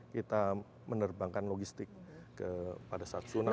kita menerbangkan logistik pada saat tsunami di aceh